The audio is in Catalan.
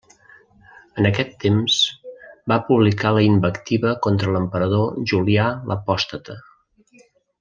En aquest temps va publicar la invectiva contra l'emperador Julià l'Apòstata.